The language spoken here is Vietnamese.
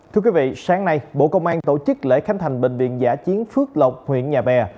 thưa quý vị sáng nay bộ công an tổ chức lễ khánh thành bệnh viện giả chiến phước lộc huyện nhà bè